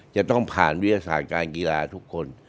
จะต้องผ่านวิทยาศาสตร์การกีฬาทุกคน